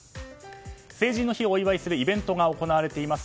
成人の日をお祝いするイベントが行われています